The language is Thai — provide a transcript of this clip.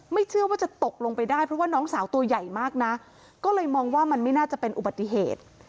เชื่อว่าจะตกลงไปได้เพราะว่าน้องสาวตัวใหญ่มากนะก็เลยมองว่ามันไม่น่าจะเป็นอุบัติเหตุ